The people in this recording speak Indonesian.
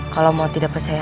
kalau mau tidak percaya